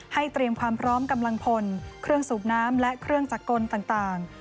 เตรียมความพร้อมกำลังพลเครื่องสูบน้ำและเครื่องจักรกลต่าง